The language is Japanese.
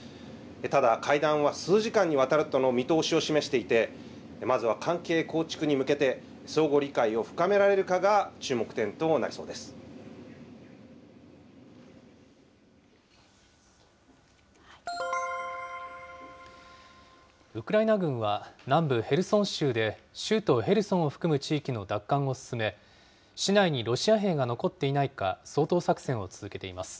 ただ会談は数時間にわたるとの見通しを示していて、まずは関係構築に向けて、相互理解を深められウクライナ軍は、南部ヘルソン州で州都ヘルソンを含む地域の奪還を進め、市内にロシア兵が残っていないか掃討作戦を続けています。